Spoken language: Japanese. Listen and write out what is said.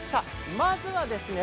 まずはですね